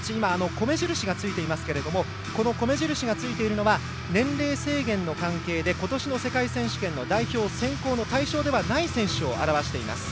※じるしがついていますけれども※じるしがついているので年齢制限の関係で今年の世界選手権の代表選考の対象ではない選手です。